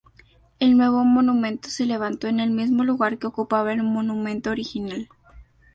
El nuevo monumento se levantó en el mismo lugar que ocupaba el monumento original.